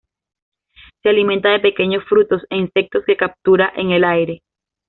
Se alimenta de pequeños frutos e insectos que captura en el aire.